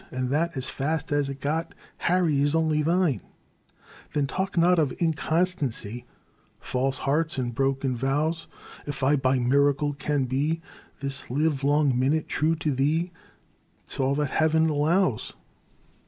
And that, as fast as it is got, Harry, is only thine !" Then talk not of inconstancy, False hearts and broken vows ; If I, by miracle, can be This live long minute true to thee, 'T is all that Heaven allows."